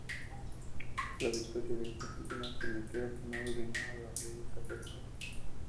La victoria de estas últimas permitió afirmar el reinado de los Reyes Católicos.